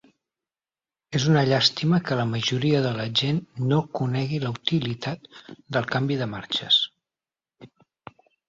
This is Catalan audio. És una llàstima que la majoria de la gent no conegui la utilitat del canvi de marxes.